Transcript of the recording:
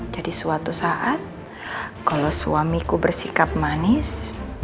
jadi suatu saat kalo suamiku bersikap manis